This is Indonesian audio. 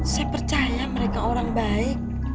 saya percaya mereka orang baik